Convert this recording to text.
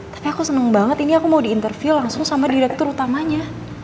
tapi aku senang banget ini aku mau diinterview langsung sama direktur utamanya